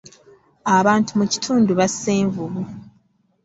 Abantu mu kitundu basse envubu.